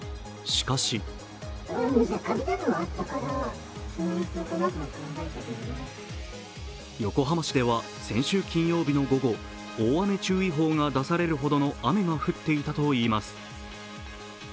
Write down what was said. しかし横浜市では先週金曜日の午後、大雨注意報が出されるほどの雨が降っていたといいます。